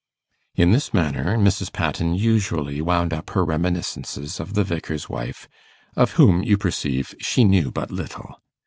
In this manner Mrs. Patten usually wound up her reminiscences of the Vicar's wife, of whom, you perceive, she knew but little.